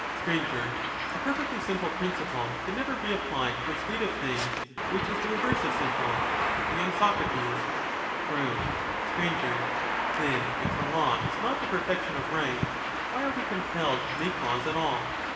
Str, A perfectly simple principle can never be applied to a state of things which is the reverse of simple. K Soc. True. Str. Then if the law is not the perfection of right, why why then are we compelled to make laws at all